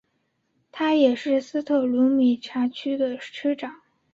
他也是斯特鲁米察区的区长。